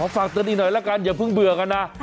ฝากเตือนอีกหน่อยละกันอย่าเพิ่งเบื่อกันนะ